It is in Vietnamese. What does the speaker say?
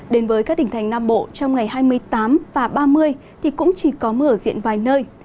đến với các tỉnh thành nam bộ trong ngày hai mươi tám và ba mươi thì cũng chỉ có mưa ở diện vài nơi